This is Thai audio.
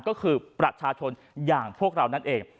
ก็คือประชาชนอย่างพวกเรานั่นเอง